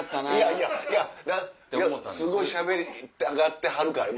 いやいやすごいしゃべりたがってはるから。